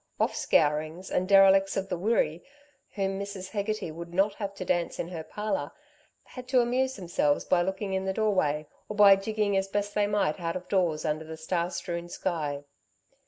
Off scourings and derelicts of the Wirree, whom Mrs. Hegarty would not have to dance in her parlour, had to amuse themselves by looking in the doorway, or by jigging as best they might out of doors under the star strewn sky.